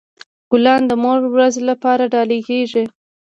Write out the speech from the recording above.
ګلان د مور ورځ لپاره ډالۍ کیږي.